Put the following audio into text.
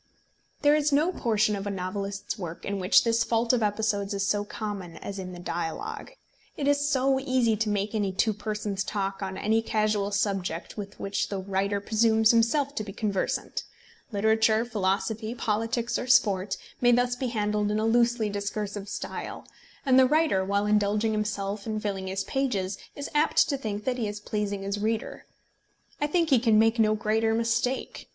There is no portion of a novelist's work in which this fault of episodes is so common as in the dialogue. It is so easy to make any two persons talk on any casual subject with which the writer presumes himself to be conversant! Literature, philosophy, politics, or sport, may thus be handled in a loosely discursive style; and the writer, while indulging himself and filling his pages, is apt to think that he is pleasing his reader. I think he can make no greater mistake.